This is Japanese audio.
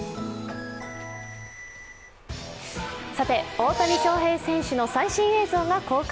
大谷翔平選手の最新映像が公開。